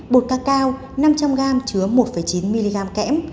bột cacao năm trăm linh gram chứa một chín mg kẽm